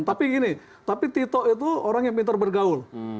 tapi gini tapi tito itu orang yang pintar bergaul